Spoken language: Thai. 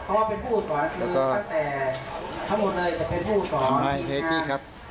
แล้วก็ทำให้ให้พี่ครับ